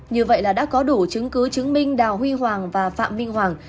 như vậy là đã có đủ chứng cứ chứng minh đào huy hoàng và phạm minh hoàng